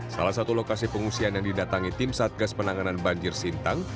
salah satu lokasi pengungsian yang didatangi tim satgas penanganan banjir sintang